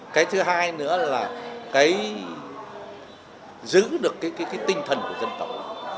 cái thứ hai nữa là cái giữ được cái tinh thần của dân tộc